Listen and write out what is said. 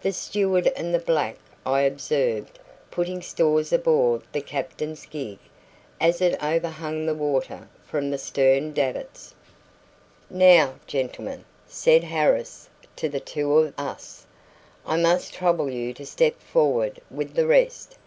The steward and the black I observed putting stores aboard the captain's gig as it overhung the water from the stern davits. "Now, gentlemen," said Harris to the two of us, "I must trouble you to step forward with the rest.